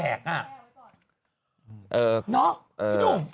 เนาะพี่หนุ่ม